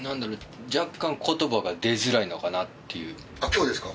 今日ですか？